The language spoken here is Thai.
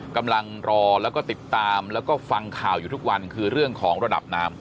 กำลังรอแล้วก็ติดตามแล้วก็ฟังข่าวอยู่ทุกวันคือเรื่องของระดับน้ำ